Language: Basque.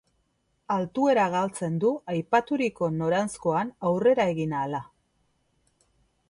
Altuera galtzen du aipaturiko noranzkoan aurrera egin ahala.